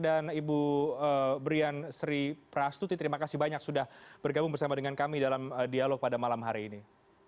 dan ibu brian sri prastuti terima kasih banyak sudah bergabung bersama dengan kami dalam dialog pada malam hari ini